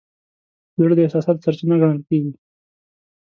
زړه د احساساتو سرچینه ګڼل کېږي.